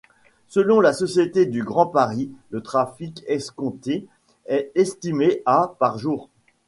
Selon la Société du Grand Paris, le trafic escompté est estimé à par jour.